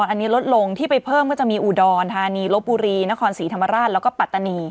อันนี้ลดลงที่ไปเพิ่มก็จะมีอุดรธานีลบบุรีนครศรีธรรมราชแล้วก็ปัตตานี